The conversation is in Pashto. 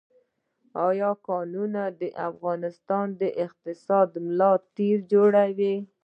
آیا کانونه د افغانستان د اقتصاد ملا تیر جوړوي؟